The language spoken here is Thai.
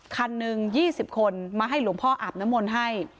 คันหนึ่ง๒๐คนมาให้หลวงพ่ออาบน้ำมนต์ให้